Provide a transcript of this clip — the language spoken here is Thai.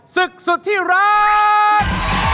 ศึกสุดที่รัก